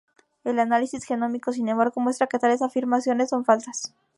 El análisis genómico, sin embargo, muestra que tales afirmaciones son falsas.